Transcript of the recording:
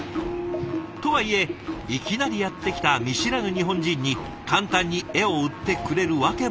とはいえいきなりやってきた見知らぬ日本人に簡単に絵を売ってくれるわけもない。